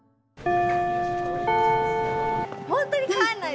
本当に帰んないで！